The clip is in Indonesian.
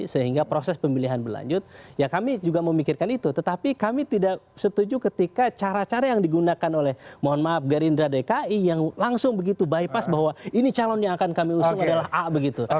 sehingga proses pemilihan berlanjut ya kami juga memikirkan itu tetapi kami tidak setuju ketika cara cara yang digunakan oleh mohon maaf gerindra dki yang langsung begitu bypass bahwa ini calon yang akan kami usung adalah a begitu